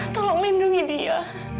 tolong lindungi dia